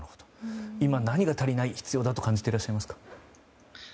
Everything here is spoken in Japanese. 今、何が足りない必要だと感じていらっしゃいますか。